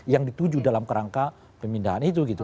yang dituju dalam kerangka pemindahan itu gitu